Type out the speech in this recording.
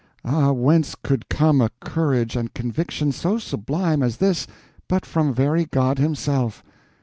Ah, whence could come a courage and conviction so sublime as this but from very God Himself!'